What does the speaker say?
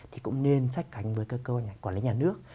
thì cũng nên sát cánh với các cơ quan quản lý nhà nước